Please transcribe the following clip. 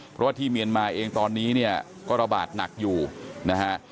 เพราะว่าที่เมียนมาเองตอนนี้เนี่ยก็ระบาดหนักอยู่นะฮะ